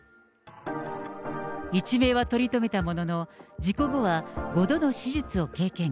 一命はとりとめたものの、事故後は５度の手術を経験。